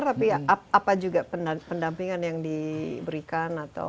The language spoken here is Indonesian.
tapi apa juga pendampingan yang diberikan atau